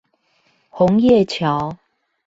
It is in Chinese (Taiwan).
紅葉橋